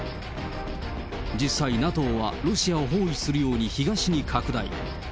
実際、ＮＡＴＯはロシアを包囲するように東に拡大。